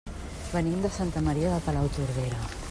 Venim de Santa Maria de Palautordera.